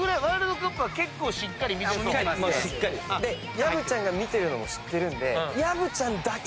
薮ちゃんが見てるのも知ってるんで。